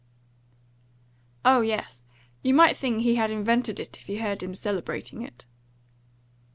"Oh yes. You might think he had invented it, if you heard him celebrating it."